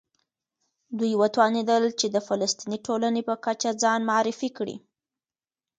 دوی وتوانېدل چې د فلسطیني ټولنې په کچه ځان معرفي کړي.